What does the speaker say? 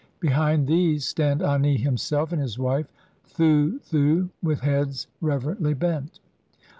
Behind these stand Ani himself and his wife Thuthu with heads reverently bent.